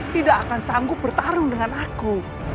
tidak akan sanggup bertarung dengan aku